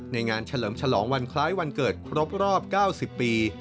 ในงานเฉลิมฉลองวันคล้ายวันเกิดครบรอบเก้าสิบปี